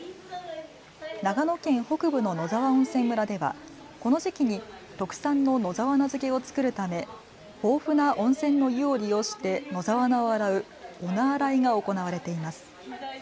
長野県北部の野沢温泉村ではこの時期に特産の野沢菜漬を作るため豊富な温泉の湯を利用して野沢菜を洗うお菜洗いが行われています。